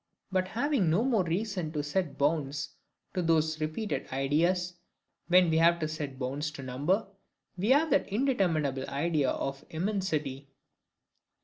And having no more reason to set bounds to those repeated ideas than we have to set bounds to number, we have that indeterminable idea of immensity.